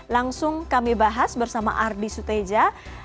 langsung kami bahas bersama ardi suteja